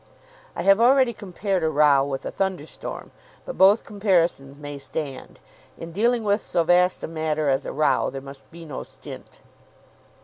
(I have already compared a row with a thunderstorm; but both comparisons may stand. In dealing with so vast a matter as a row there must be no stint.)